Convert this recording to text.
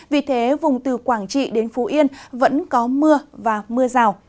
vì thế vùng từ quảng trị đến phú yên vẫn có mưa và mưa rào